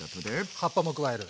葉っぱも加える。